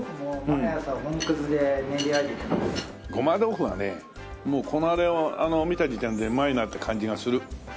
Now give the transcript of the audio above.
胡麻豆腐はねもうこのあれを見た時点でうまいなって感じがする。